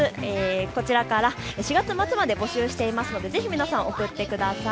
こちらから４月末まで募集していますのでぜひ皆さん送ってください。